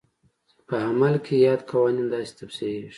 په عمل کې یاد قوانین داسې تفسیرېږي.